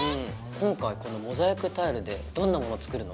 今回このモザイクタイルでどんなもの作るの？